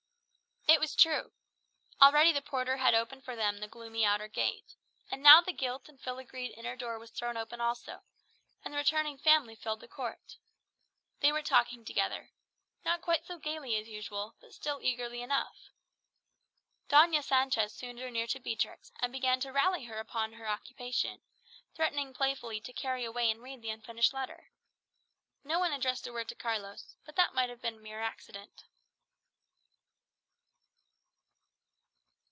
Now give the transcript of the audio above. It was true. Already the porter had opened for them the gloomy outer gate; and now the gilt and filagreed inner door was thrown open also, and the returning family party filled the court. They were talking together; not quite so gaily as usual, but still eagerly enough. Doña Sancha soon drew near to Beatrix, and began to rally her upon her occupation, threatening playfully to carry away and read the unfinished letter. No one addressed a word to Carlos; but that might have been mere accident.